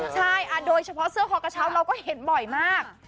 ใช่โดยเฉพาะเสื้อคอกระเช้าเราก็เห็นบ่อยมาก